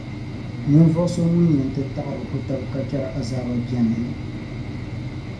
Ninvuɣu so ŋun yɛn ti taɣiri o taba ka chɛri azaaba beni?